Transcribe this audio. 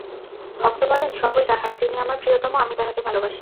ভক্ত বলেন সবই তাঁহার, তিনি আমার প্রিয়তম, আমি তাঁহাকে ভালবাসি।